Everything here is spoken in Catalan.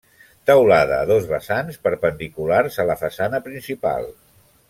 Teulada a dos vessants perpendiculars a la façana principal.